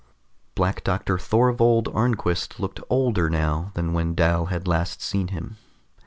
Black Doctor Thorvold Arnquist looked older now than when Dal had last seen him.